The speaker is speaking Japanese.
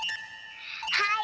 はい！